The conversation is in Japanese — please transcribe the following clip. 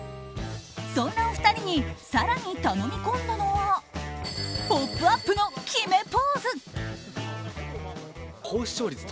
そんなお二人に更に頼み込んだのは「ポップＵＰ！」の決めポーズ。